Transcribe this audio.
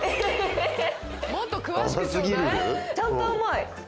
ちゃんと甘い！